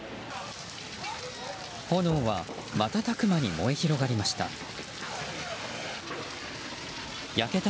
炎は瞬く間に燃え広がりました。